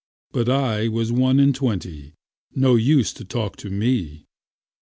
'But I was one and twenty, No use to talk to me.